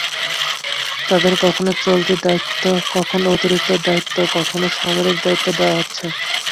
তাঁদের কখনো চলতি দায়িত্ব, কখনো অতিরিক্ত দায়িত্ব, কখনো সাময়িক দায়িত্ব দেওয়া হচ্ছে।